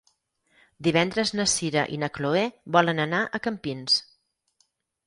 Divendres na Sira i na Chloé volen anar a Campins.